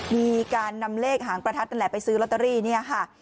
มีการนำเลขหางประทัดนั่นแหละไปซื้อลอตเตอรี่เนี่ยค่ะ